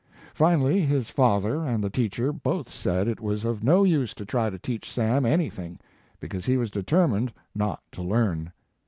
Finally, his father and the teacher both said it was of no use to try to teach Sam anything, because he was determined not to learn.